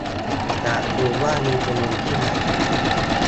อยากรู้ว่ามีชุมนุมที่ไหน